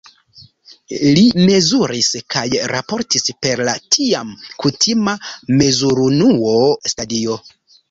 Li mezuris kaj raportis per la tiam kutima mezurunuo "stadio".